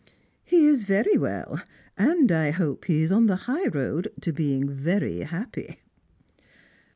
" He is very well, and I hope he is on the high road to being very happy."